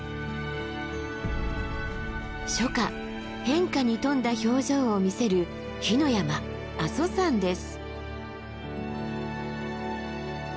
初夏変化に富んだ表情を見せる火の山阿蘇山です。